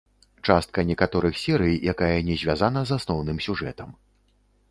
Частка некаторых серый, якая не звязана з асноўным сюжэтам.